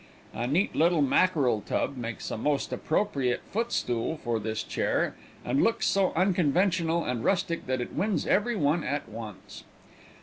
A neat little mackerel tub makes a most appropriate foot stool for this chair, and looks so unconventional and rustic that it wins every one at once.